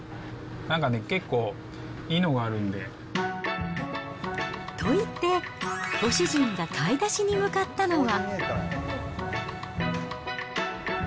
なんかね、結構いいのがあるんでと言って、ご主人が買い出しに向かったのは。